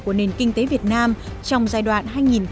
của nền kinh tế việt nam trong giai đoạn